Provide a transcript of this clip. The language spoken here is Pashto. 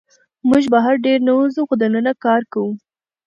موږ بهر ډېر نه وځو، خو دننه کار کوو.